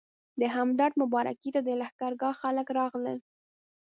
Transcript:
د همدرد مبارکۍ ته د لښکرګاه خلک راغلل.